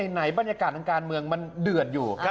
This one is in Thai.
ไหนบรรยากาศทางการเมืองมันเดือดอยู่